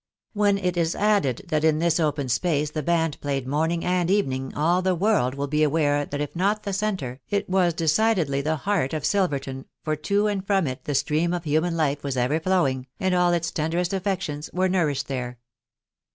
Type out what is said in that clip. When it is added, that in this open space the band played morning and evening, all the world will be aware that if not the centre, *t was de cidedly the heart of Silverton, for to and from it the stream of human life was ever flowing, and all its tenderest affections were nourished there.